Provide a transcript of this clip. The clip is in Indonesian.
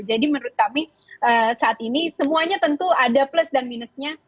jadi menurut kami saat ini semuanya tentu ada plus dan minusnya